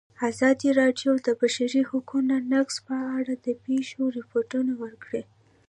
ازادي راډیو د د بشري حقونو نقض په اړه د پېښو رپوټونه ورکړي.